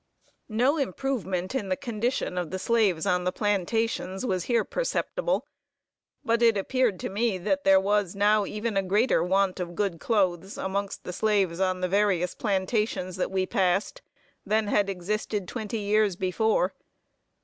No improvement in the condition of the slaves on the plantations, was here perceptible; but it appeared to me, that there was now even a greater want of good clothes, amongst the slaves on the various plantations that we passed, than had existed twenty years before.